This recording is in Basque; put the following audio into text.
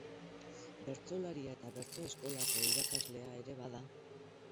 Bertsolaria eta bertso-eskolako irakaslea ere bada.